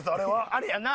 あれやな。